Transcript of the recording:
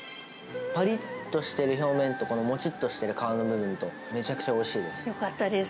ぱりっとしてる表面と、このもちっとしてる皮の部分と、めちゃくちゃおいしいです。